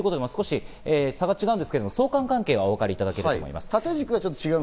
差が違うんですけど相関関係はおわかりいただけると思います。